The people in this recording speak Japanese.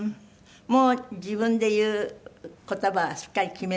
もう自分で言う言葉はしっかり決めてあるの？